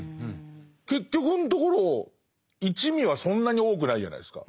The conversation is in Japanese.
結局のところ一味はそんなに多くないじゃないですか。